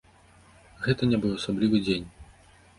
Гэта не быў асаблівы дзень.